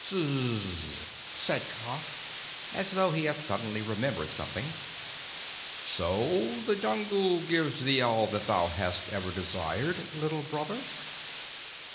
"Sssh!" said Kaa, as though he had suddenly remembered something. "So the Jungle gives thee all that thou hast ever desired, Little Brother?"